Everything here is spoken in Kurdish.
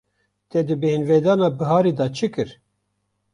Te di bêhnvedana biharê de çi kir?